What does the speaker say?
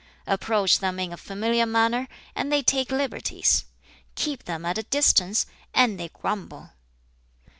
Approach them in a familiar manner, and they take liberties; keep them at a distance, and they grumble."